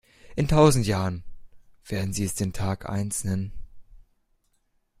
In tausend Jahren werden sie es den Tag eins nennen.